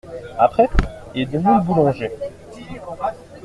Après, il est venu le boulanger.